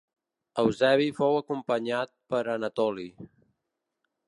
Eusebi fou acompanyat per Anatoli.